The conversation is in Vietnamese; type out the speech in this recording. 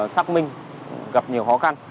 xác minh gặp nhiều khó khăn